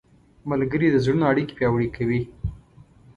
ملګري د زړونو اړیکې پیاوړې کوي.